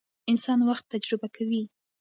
انسان وخت تجربه کوي.